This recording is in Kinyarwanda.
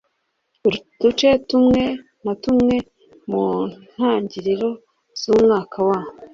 uduce tumwe na tumwe mu ntangiriro z umwaka wa